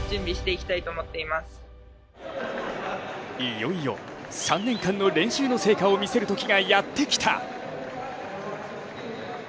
いよいよ３年間の練習の成果を見せるときがやってきた。